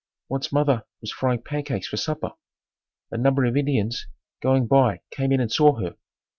Once mother was frying pancakes for supper. A number of Indians going by came in and saw her.